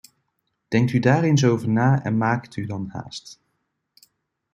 Denkt u daar eens over na en maakt u dan haast.